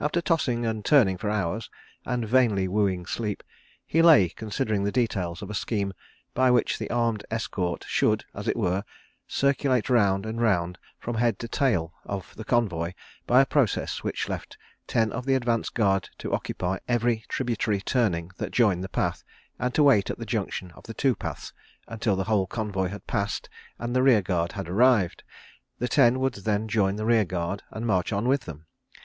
After tossing and turning for hours and vainly wooing sleep, he lay considering the details of a scheme by which the armed escort should, as it were, circulate round and round from head to tail of the convoy by a process which left ten of the advance guard to occupy every tributary turning that joined the path and to wait at the junction of the two paths until the whole convoy had passed and the rear guard had arrived. The ten would then join the rear guard and march on with them.